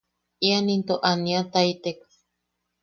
Ian ito aniataitek.